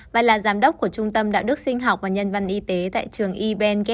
và là giám đốc của trung tâm đạo đức sinh học và nhân văn y tế tại trường evn